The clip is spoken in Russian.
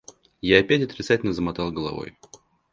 Я опять отрицательно замотал головой.